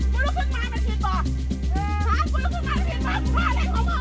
คุณลุกขึ้นมาทีต่อคุณพูดว่าอะไรของมัน